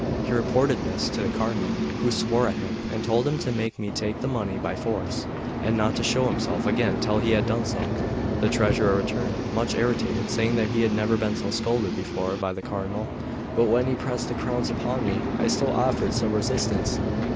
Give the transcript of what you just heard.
He reported this to the Cardinal, who swore at him, and told him to make me take the money by force, and not to show himself again till he had done so. The treasurer returned, much irritated, saying he had never been so scolded before by the Cardinal; but when he pressed the crowns upon me, I still offered some resistance.